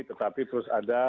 tetapi terus ada situasi gini